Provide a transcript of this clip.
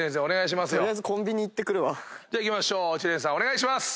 お願いします。